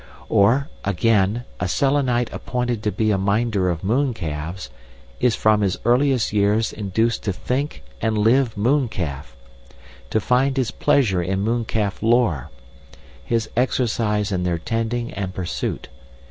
"Or, again, a Selenite appointed to be a minder of mooncalves is from his earliest years induced to think and live mooncalf, to find his pleasure in mooncalf lore, his exercise in their tending and pursuit.